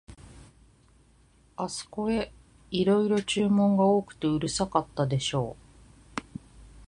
あすこへ、いろいろ注文が多くてうるさかったでしょう、